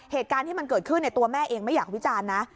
เหตุการณ์ที่มันเกิดขึ้นตัวแม่เองไม่อยากวิจารณ์นะ